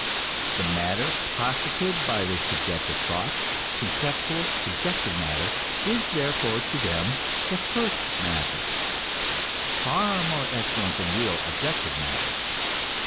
The matter posited by their subjective thought, conceptional, subjective matter, is therefore to them the first matter, far more excellent than real, objective matter.